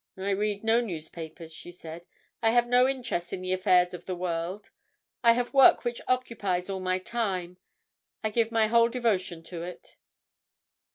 "I read no newspapers," she said. "I have no interest in the affairs of the world. I have work which occupies all my time: I give my whole devotion to it."